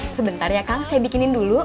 sebentar ya kang saya bikinin dulu